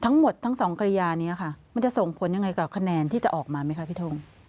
ทั้งหมดทั้งสองกรยานี้ค่ะมันจะส่งผลยังไงกับคะแนนที่จะออกมาไหมคะพี่ทง